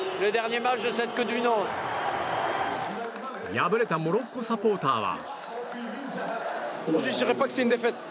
敗れたモロッコサポーターは。